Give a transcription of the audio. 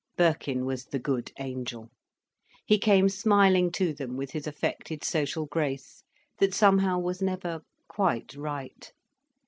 Birkin was the good angel. He came smiling to them with his affected social grace, that somehow was never quite right.